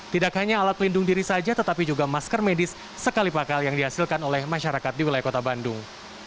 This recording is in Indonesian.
tidak hanya alat pelindung diri saja tetapi juga masker medis sekali pakal yang dihasilkan oleh masyarakat di wilayah kota bandung